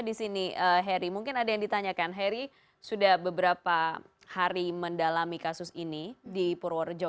di sini heri mungkin ada yang ditanyakan heri sudah beberapa hari mendalami kasus ini di purworejo